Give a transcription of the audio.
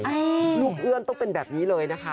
ลูกเอื้อนต้องเป็นแบบนี้เลยนะคะ